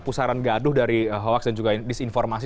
pusaran gaduh dari hoaks dan juga disinformasi